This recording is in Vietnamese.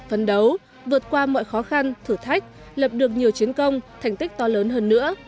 phấn đấu vượt qua mọi khó khăn thử thách lập được nhiều chiến công thành tích to lớn hơn nữa